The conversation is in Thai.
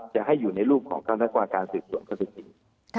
จะให้อยู่ในรูปของการรักษาการสื่อส่วนข้อเท็จจริง